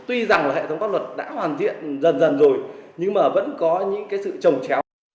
tuy rằng là hệ thống pháp luật đã hoàn thiện dần dần rồi nhưng mà vẫn có những cái sự trồng chéo